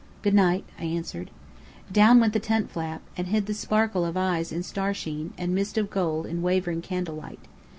"Good night!" I answered. Down went the tent flap, and hid the sparkle of eyes in starsheen, and mist of gold in wavering candle light.